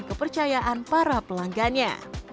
dan kepercayaan para pelanggannya